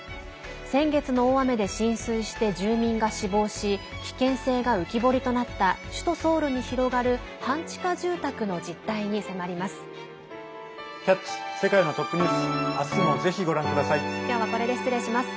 先月の大雨で浸水して住民が死亡し危険性が浮き彫りとなった首都ソウルに広がる半地下住宅の実態に迫ります。